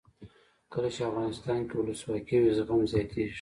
کله چې افغانستان کې ولسواکي وي زغم زیاتیږي.